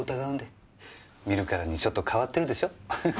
見るからにちょっと変わってるでしょ？